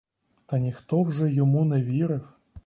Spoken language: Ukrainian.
Та ніхто вже йому не вірив.